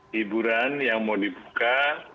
hiburan yang mau dibuka